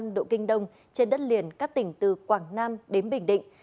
một trăm linh tám năm độ kinh đông trên đất liền các tỉnh từ quảng nam đến bình định